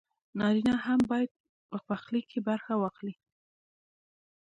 نارينه هم بايد په پخلي کښې برخه واخلي